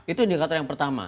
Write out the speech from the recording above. itu indikator yang pertama